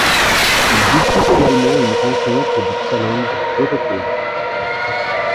Il dispute également une rencontre du Challenge européen.